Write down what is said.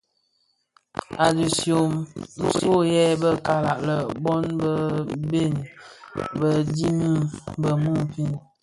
A dishyön, nso yè bè kalag lè bon be bhèi bë dimen bë muufin.